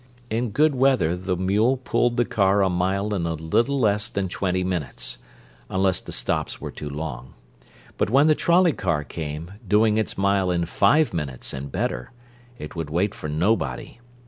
In good weather the mule pulled the car a mile in a little less than twenty minutes, unless the stops were too long; but when the trolley car came, doing its mile in five minutes and better, it would wait for nobody.